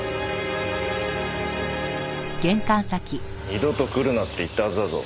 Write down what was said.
二度と来るなって言ったはずだぞ。